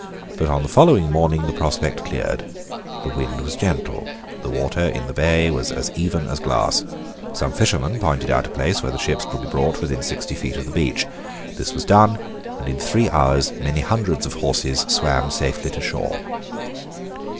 But on the following morning the prospect cleared. The wind was gentle. The water in the bay was as even as glass. Some fishermen pointed out a place where the ships could be brought within sixty feet of the beach. This was done; and in three hours many hundreds of horses swam safely to shore.